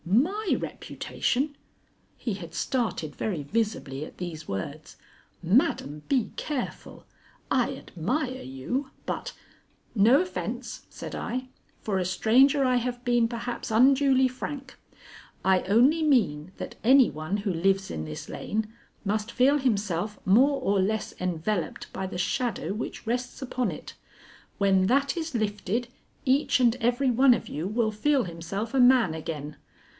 "My reputation?" He had started very visibly at these words. "Madam, be careful. I admire you, but " "No offence," said I. "For a stranger I have been, perhaps, unduly frank. I only mean that any one who lives in this lane must feel himself more or less enveloped by the shadow which rests upon it. When that is lifted, each and every one of you will feel himself a man again.